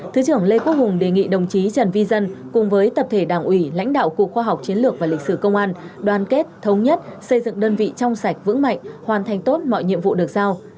thứ trưởng lê quốc hùng đề nghị đồng chí trần vi dân cùng với tập thể đảng ủy lãnh đạo cục khoa học chiến lược và lịch sử công an đoàn kết thống nhất xây dựng đơn vị trong sạch vững mạnh hoàn thành tốt mọi nhiệm vụ được giao